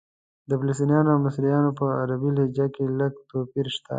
د فلسطنیانو او مصریانو په عربي لهجه کې لږ توپیر شته.